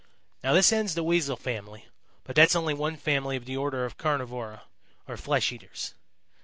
"Now this ends the Weasel family, but that's only one family of the order of Carnivora, or flesh eaters.